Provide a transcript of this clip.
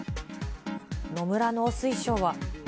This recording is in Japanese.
野村農水相は。